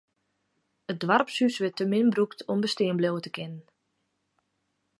It doarpshûs wurdt te min brûkt om bestean bliuwe te kinnen.